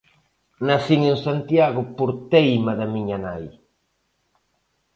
Nacín en Santiago por teima da miña nai.